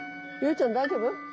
ちゃん大丈夫？